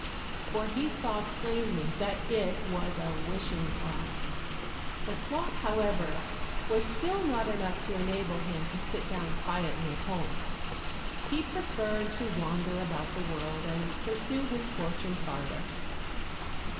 For he saw plainly that it was a wishing cloth. The cloth, however, was still not enough to enable him to sit down quietly at home; he preferred to wander about the world and pursue his fortune farther.